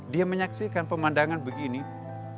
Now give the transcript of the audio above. dia menyaksikan pemandangan begitu saja